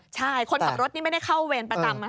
ใช่คนขับรถนี่ไม่ได้เข้าเวรประจำ